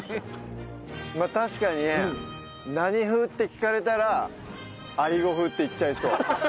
まあ確かにね「何風？」って聞かれたら「アリゴ風」って言っちゃいそう。